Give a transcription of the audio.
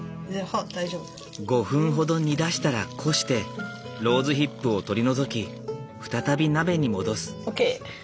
５分ほど煮出したらこしてローズヒップを取り除き再び鍋に戻す。ＯＫ！